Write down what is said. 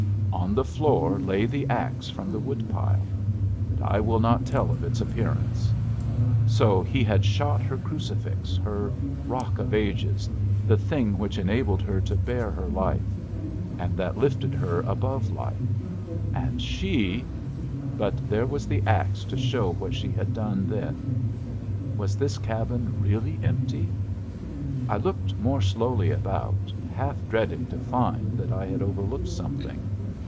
On the floor lay the axe from the wood pile; but I will not tell of its appearance. So he had shot her crucifix, her Rock of Ages, the thing which enabled her to bear her life, and that lifted her above life; and she but there was the axe to show what she had done then. Was this cabin really empty? I looked more slowly about, half dreading to find that I had overlooked something.